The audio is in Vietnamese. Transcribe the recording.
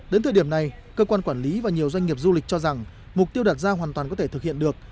đến thời điểm này cơ quan quản lý và nhiều doanh nghiệp du lịch cho rằng mục tiêu đặt ra hoàn toàn có thể thực hiện được